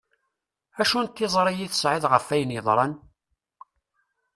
Acu n tiẓri i tesεiḍ ɣef ayen yeḍran?